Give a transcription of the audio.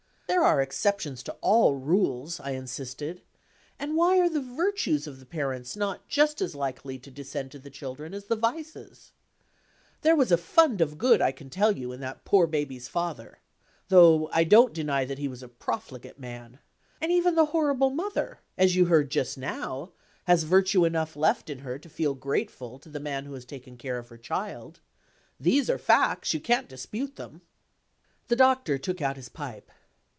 "There are exceptions to all rules," I insisted. "And why are the virtues of the parents not just as likely to descend to the children as the vices? There was a fund of good, I can tell you, in that poor baby's father though I don't deny that he was a profligate man. And even the horrible mother as you heard just now has virtue enough left in her to feel grateful to the man who has taken care of her child. These are facts; you can't dispute them." The Doctor took out his pipe.